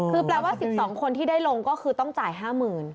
คือแปลว่า๑๒คนที่ได้ลงก็คือต้องจ่าย๕๐๐๐